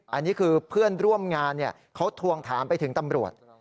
อันนี้คือเพื่อนร่วมงานเขาทวงถามไปถึงตำรวจ